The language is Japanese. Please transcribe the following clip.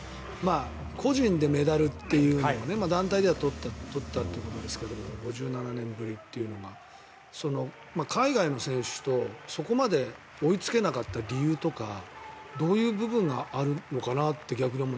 個人でメダルっていうのは団体では取ったっていうことですけど５７年ぶりというのが海外の選手とそこまで追いつけなかった理由とかどういう部分があるのかなって逆に思う。